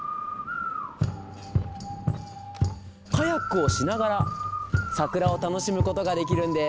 カヤックをしながら桜を楽しむことができるんです。